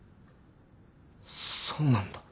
そうなんだ。